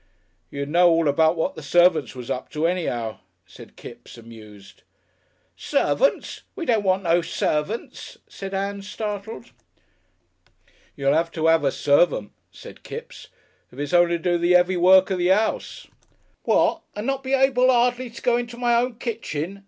"You'd know all about what the servants was up to, anyhow," said Kipps, amused. "Servants! We don't want no servants," said Ann, startled. "You'll 'ave to 'ave a servant," said Kipps. "If it's only to do the 'eavy work of the 'ouse." "What! and not be able 'ardly to go into my own kitchen?"